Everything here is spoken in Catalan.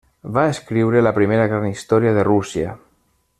Va escriure la primera gran història de Rússia.